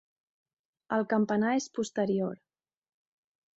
El campanar és posterior.